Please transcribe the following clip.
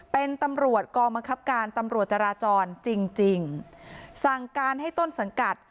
เป็นตำรวจกองบังคับการตำรวจจราจรจริงจริงสั่งการให้ต้นสังกัด